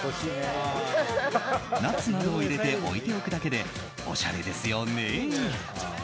ナッツなどを入れて置いておくだけでおしゃれですよね。